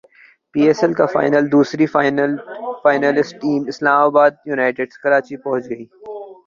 پی S L کا final دوسری finalist team اسلام باد یونائیٹڈ کراچی پہنچ گئی